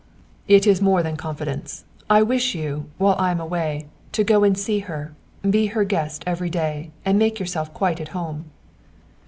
"It is more than confidence. I wish you, while I am away, to go and see her: be her guest every day, and make yourself quite at home."